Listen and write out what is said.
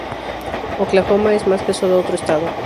Oklahoma es más que solo otro estado.